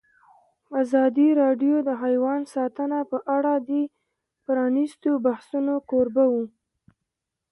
ازادي راډیو د حیوان ساتنه په اړه د پرانیستو بحثونو کوربه وه.